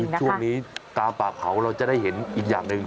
ช่วงนี้ตามป่าเขาเราจะได้เห็นอีกอย่างหนึ่ง